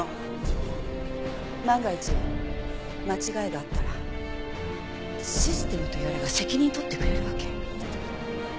万が一間違いがあったらシステムとやらが責任取ってくれるわけ？